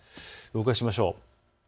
動かしましょう。